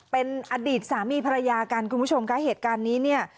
เป็นอดีตสามีภรรยากันคุณผู้ชมค่ะเหตุการณ์นี้เนี่ย